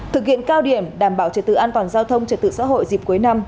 thực hiện cao điểm đảm bảo trật tự an toàn giao thông trật tự xã hội dịp cuối năm